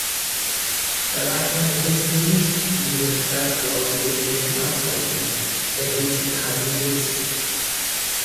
Erreicht eine Liste nicht die in der Sperrklausel definierten Anforderungen, erhält sie keine Sitze.